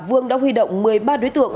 vương đã huy động một mươi ba đối tượng